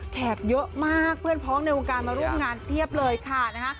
แขกเยอะมากเพื่อนพ้องในวงการมาร่วมงานเพียบเลยค่ะนะฮะ